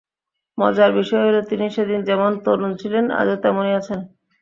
মজার বিষয় হলো, তিনি সেদিন যেমন তরুণ ছিলেন, আজও তেমনই আছেন।